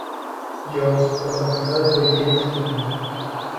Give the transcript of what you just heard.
Jones", protagonizada por James Whitmore.